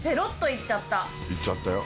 いっちゃったよ。